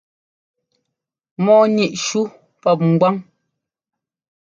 Mɔɔ níʼ shú pɔp ŋgwán.